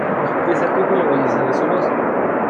Destacó por la belleza de su voz.